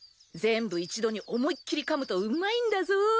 全部一度に思いっ切りかむとうまいんだぞ。